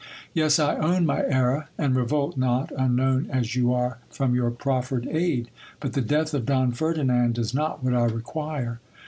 Yes, I own my error, and revolt not, unknown as you are, from your proffered aid. But the death of Don Ferdinand is not what I require.